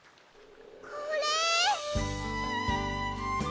これ。